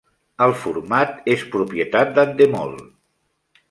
El format és propietat d'Endemol.